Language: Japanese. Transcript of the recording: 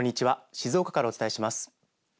静岡からお伝えします。